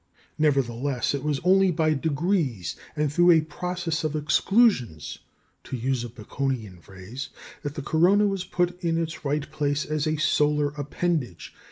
Nevertheless, it was only by degrees, and through a process of "exclusions" (to use a Baconian phrase) that the corona was put in its right place as a solar appendage.